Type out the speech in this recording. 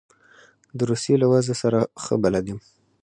د روسیې له وضع سره ښه بلد یم.